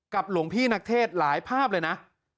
หลวงพี่นักเทศหลายภาพเลยนะ